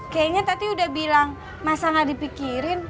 kayaknya tadi udah bilang masa gak dipikirin